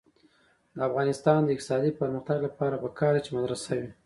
د افغانستان د اقتصادي پرمختګ لپاره پکار ده چې مدرسه وي.